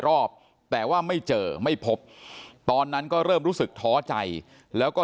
รอบแต่ว่าไม่เจอไม่พบตอนนั้นก็เริ่มรู้สึกท้อใจแล้วก็